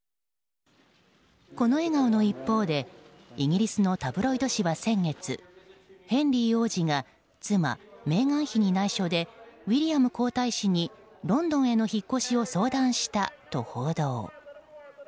この笑顔の一方でイギリスのタブロイド紙は先月ヘンリー王子が妻メーガン妃に内緒でウィリアム皇太子にロンドンへの引っ越しを相談したと報道。